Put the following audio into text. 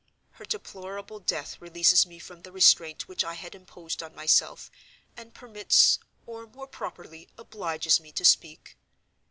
Her deplorable death releases me from the restraint which I had imposed on myself, and permits—or, more properly, obliges me to speak.